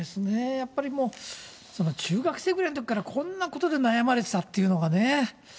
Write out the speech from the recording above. やっぱりもう、そんな中学生ぐらいのときからこんなことで悩まれてたというのがね。